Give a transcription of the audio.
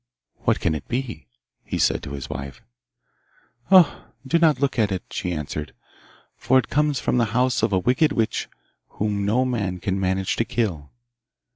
'What can it be?' he said to his wife. 'Ah! do not look at it,' she answered, 'for it comes from the house of a wicked witch whom no man can manage to kill.